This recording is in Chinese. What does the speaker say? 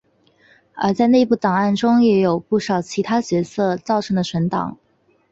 而在内部档案中也有不少其他角色造成的存档。